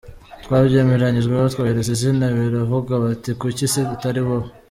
Twabyemeranyijweho, twohereza izina, baravuga bati kuki se atari wowe ?